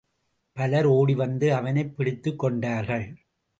பலர் ஓடி வந்து அவனைப் பிடித்துக் கொண்டார்கள்.